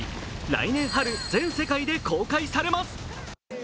来年春、全世界で公開されます。